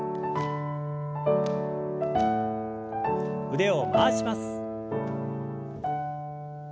腕を回します。